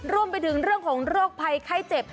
รวมไปถึงเรื่องของโรคภัยไข้เจ็บ